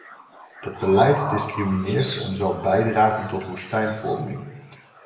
Dat beleid discrimineert en zal bijdragen tot woestijnvorming.